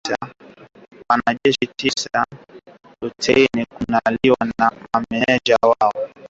Wanajeshi tisa walioshtakiwa ni pamoja na lutein kanali na mameneja watatu